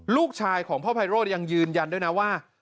ลูกชายของพ่อไพโรธยังยืนยันด้วยนะว่า